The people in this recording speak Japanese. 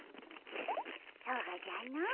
そうじゃの。